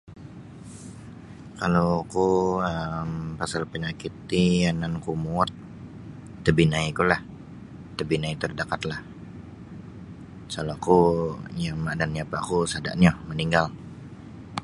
Kalau oku um pasal panyakit ti yananku muwot tabinaikulah tabinai terdekatlah pasal oku yama' dan yapa'ku ku sada' nio maninggal